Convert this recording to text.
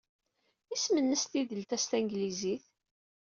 Isem-nnes tidelt-a s tanglizit?